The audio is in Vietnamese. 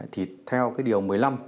thì theo cái điều một mươi năm